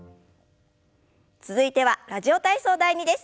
続いては「ラジオ体操第２」です。